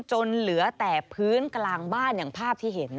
จนเหลือแต่พื้นกลางบ้านอย่างภาพที่เห็น